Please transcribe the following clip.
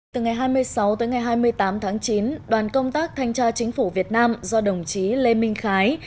từ ngày hai mươi sáu tới ngày hai mươi tám tháng chín đoàn công tác thanh tra chính phủ việt nam do đồng chí lê minh khái